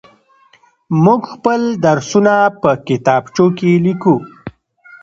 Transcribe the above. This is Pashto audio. موږ خپل درسونه په کتابچو کې ليكو.